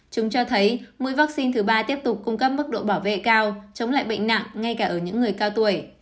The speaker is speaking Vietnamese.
chúng cho thấy mũi vaccine thứ ba tiếp tục cung cấp mức độ bảo vệ cao chống lại bệnh nặng ngay cả ở những người cao tuổi